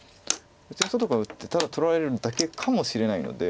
こちら外から打ってただ取られるだけかもしれないので。